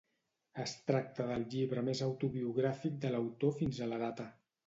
Es tracta del llibre més autobiogràfic de l'autor fins a la data.